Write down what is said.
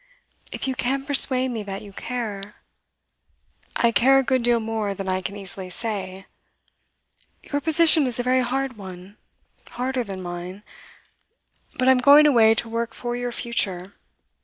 'If you can persuade me that you care ' 'I care a good deal more than I can easily say. Your position is a very hard one, harder than mine. But I'm going away to work for your future.